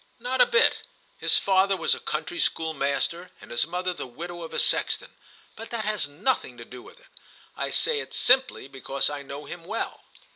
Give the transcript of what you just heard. "Not a bit. His father was a country school master and his mother the widow of a sexton, but that has nothing to do with it. I say it simply because I know him well."